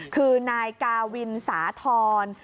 คือนายกาวินสาธร